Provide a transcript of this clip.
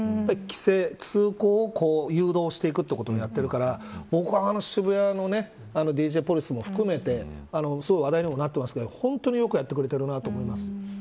通行を誘導していくことをやってるから僕は、渋谷のＤＪポリスも含めて話題にもなっていますけど本当によくやっているなと思います。